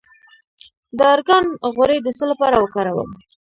د ارګان غوړي د څه لپاره وکاروم؟